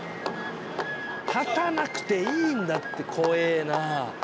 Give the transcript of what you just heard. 立たなくていいんだって怖ぇなあ。